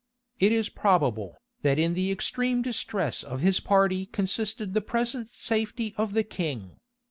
It is probable, that in the extreme distress of his party consisted the present safety of the king.